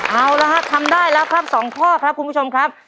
เอาละฮะทำได้แล้วครับ๒ข้อครับคุณผู้ชมครับ